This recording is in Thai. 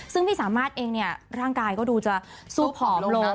ซึ่งพี่สามารถเองเนี่ยร่างกายก็ดูจะสู้ผอมลง